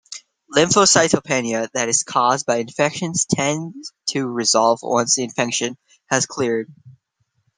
Lymphocytopenia that is caused by infections tends to resolve once the infection has cleared.